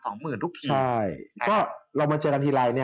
ตั้งคุณต่างชาติขาย